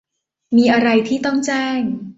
มีอะไรที่ต้องแจ้ง